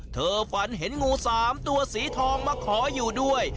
ฝันเห็นงู๓ตัวสีทองมาขออยู่ด้วย